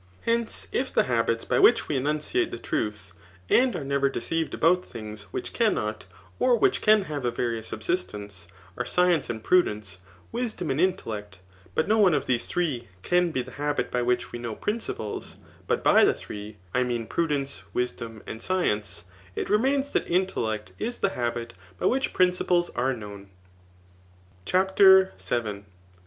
Hence, if the habits by which we enunciate the trudi, and are never deceived about things which cannot, or vhich can have a various subsistence, are science and prudence, wisdom and intellect, but no one of these three, can be the habit 'by which we know principles ; but by the three, I mean prudence, wisdom, and science ; it remains that intellect is the habit by which principles are known* Digitized by Google 220 TH£ NICOMACKEAN JK>OK VU CHAPTER VU.